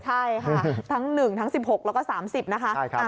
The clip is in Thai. ใช่ค่ะทั้ง๑ทั้ง๑๖แล้วก็๓๐นะคะ